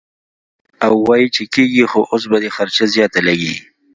او وائي چې کيږي خو اوس به دې خرچه زياته لګي -